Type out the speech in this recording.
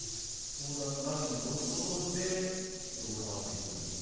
相談のラインに乗ることで、どう変わっていくんですか？